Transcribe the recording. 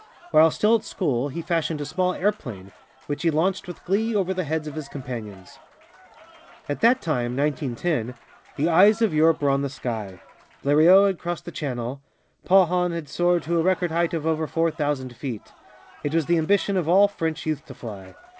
While still at school he fashioned a small airplane, which he launched with glee over the heads of his companions. At that time (1910), the eyes of Europe were on the sky. Blériot had crossed the Channel; Paulhan had soared to a record height of over four thousand feet. It was the ambition of all French youth to fly.